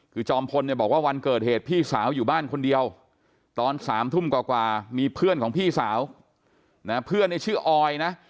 คือจอมพลเนี่ยบอกว่าวันเกิดเหตุพี่สาวอยู่บ้านคนเดียวตอน๓ทุ่มกว่ามีเพื่อนของพี่สาวนะเพื่อนเนี่ยชื่อออยนะ